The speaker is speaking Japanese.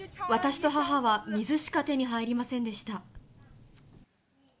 私と母は水しか手に入りませんでした。